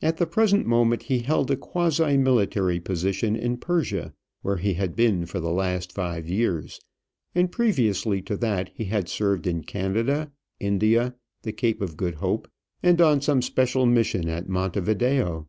At the present moment he held a quasi military position in Persia, where he had been for the last five years, and previously to that he had served in Canada, India, the Cape of Good Hope, and on some special mission at Monte Video.